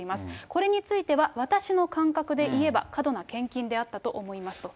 これについては私の感覚で言えば、過度な献金であったと思いますと。